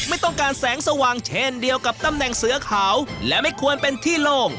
ไม่ต้องการแสงสว่างเช่นเดียวกับตำแหน่งเสือขาวและไม่ควรเป็นที่โล่ง